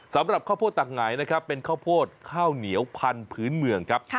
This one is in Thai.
สำหรับข้าวโพดตักหงายนะครับเป็นข้าวโพดข้าวเหนียวพันธุ์พื้นเมืองครับ